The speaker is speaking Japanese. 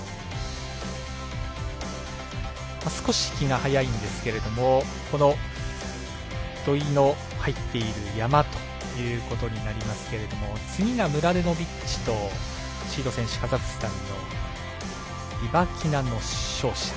少し気が早いんですけれどもこの土居の入っている山ということになりますけれども次がムラデノビッチとシード選手、カザフスタンのリバキナの勝者。